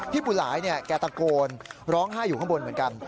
ปู่หลายแกตะโกนร้องไห้อยู่ข้างบนเหมือนกัน